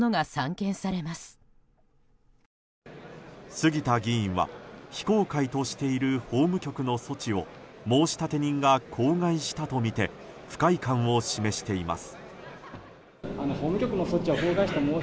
杉田議員は非公開としている法務局の措置を申立人が口外したとみて不快感を示しています。